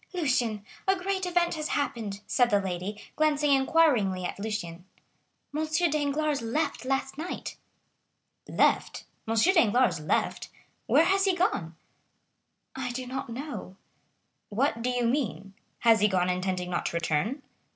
"Lucien, a great event has happened!" said the lady, glancing inquiringly at Lucien,—"M. Danglars left last night!" "Left?—M. Danglars left? Where has he gone?" "I do not know." "What do you mean? Has he gone intending not to return?"